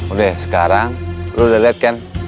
udah sekarang lo udah liat kan